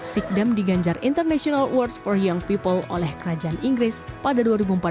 sikdam diganjar international awards for young people oleh kerajaan inggris pada dua ribu empat belas